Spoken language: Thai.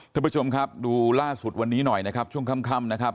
ท่านผู้ชมครับดูล่าสุดวันนี้หน่อยนะครับช่วงค่ำนะครับ